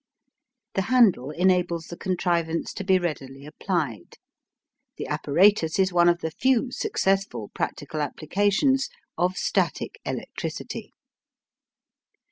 The handle enables the contrivance to be readily applied. The apparatus is one of the few successful practical applications of static electricity.